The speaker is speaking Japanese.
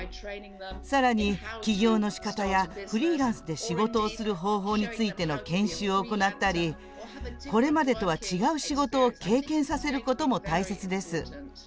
さらに起業の仕方やフリーランスで仕事をする方法についての研修を行ったりこれまでとは違う仕事を経験させることも大切です。